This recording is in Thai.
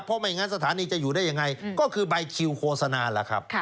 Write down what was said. เพราะไม่งั้นสถานีจะอยู่ได้ยังไงก็คือใบคิวโฆษณาล่ะครับ